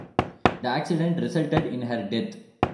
The accident resulted in her death.